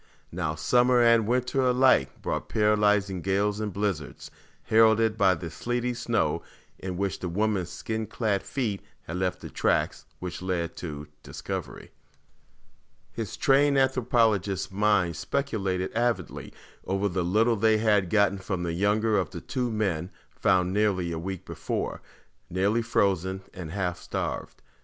Now, summer and winter alike brought paralyzing gales and blizzards, heralded by the sleety snow in which the woman's skin clad feet had left the tracks which led to discovery. His trained anthropologist's mind speculated avidly over the little they had gotten from the younger of the two men found nearly a week before, nearly frozen and half starved.